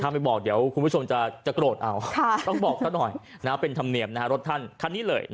ไม่บอกเดี๋ยวคุณผู้ชมจะโกรธเอาต้องบอกซะหน่อยเป็นธรรมเนียมรถท่านคันนี้เลย